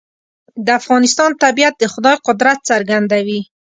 د افغانستان طبیعت د خدای قدرت څرګندوي.